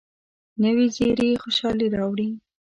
نوې زیري خوشالي راوړي